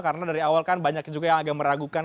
karena dari awal kan banyak juga yang agak meragukan